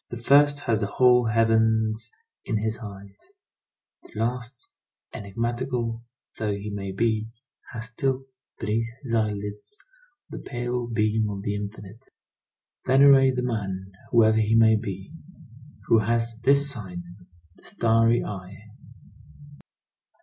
The first has the whole heavens in his eyes; the last, enigmatical though he may be, has still, beneath his eyelids, the pale beam of the infinite. Venerate the man, whoever he may be, who has this sign—the starry eye.